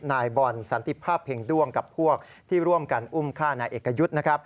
นายบอลสันติภาพเพ็งด้วงกับพวกที่ร่วมกันอุ้มฆ่านายเอกยุทธ์นะครับ